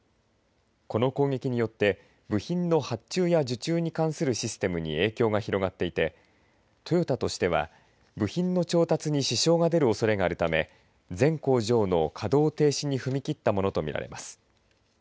この攻撃によって部品の発注や受注に関するシステムに影響が広がっていてトヨタとしては部品の調達に支障が出るおそれがあるため全工場の稼働停止に踏み切ったものとみられます。